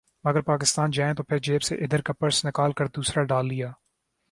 مگر پاکستان جائیں تو پھر جیب سے ادھر کا پرس نکال کر دوسرا ڈال لیا